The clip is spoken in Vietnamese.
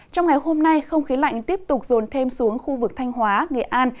trong ngày hôm nay không khí lạnh tiếp tục rồn thêm xuống khu vực thanh hóa nghệ an